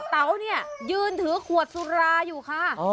เต๋าเนี่ยยืนถือขวดสุราอยู่ค่ะ